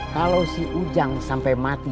kalau si ujang sampai mati